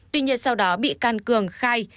tuy nhiên sau đó bị can cường khai